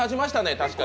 確かに。